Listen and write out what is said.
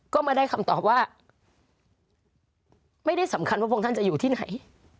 ก็มาได้คำตอบว่าไม่ได้สำคัญว่าพวกท่านจะอยู่ที่ไหน